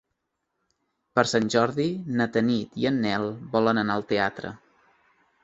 Per Sant Jordi na Tanit i en Nel volen anar al teatre.